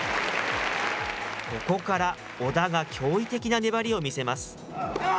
ここから小田が驚異的な粘りを見せます。